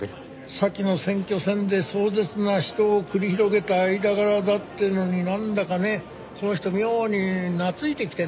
先の選挙戦で壮絶な死闘を繰り広げた間柄だっていうのになんだかねこの人妙に懐いてきてね。